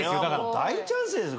大チャンスですよ